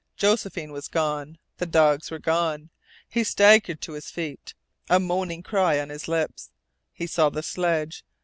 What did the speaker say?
Josephine was gone, the dogs were gone. He staggered to his feet, a moaning cry on his lips. He saw the sledge.